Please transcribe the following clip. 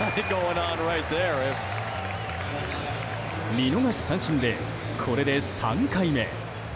見逃し三振で、これで３回目。